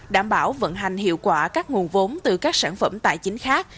đảm bảo vận hành hiệu quả các nguồn vốn từ các sản phẩm tài chính khác